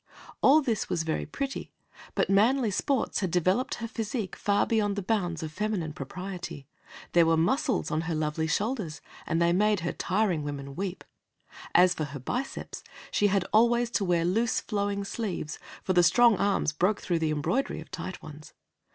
All this was very pretty, but manly sports had developed her physique far beyond the bounds of feminine propriety. There were muscles on her lovely shoulders, and they made her tiring women weep. As for her biceps, she had always to wear loose, flowing sleeves, for the strong arms broke through the embroidery of tight ones.